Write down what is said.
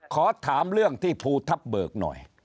ขอถามเรื่องที่ภูทับเบิกหน่อย